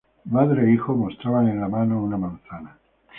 Madre e Hijo mostraban en la mano una manzana.